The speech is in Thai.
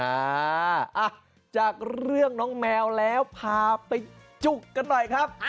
อ่าอ่ะจากเรื่องน้องแมวแล้วพาไปจุกกันหน่อยครับ